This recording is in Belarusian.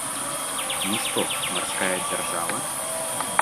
Мы што, марская дзяржава?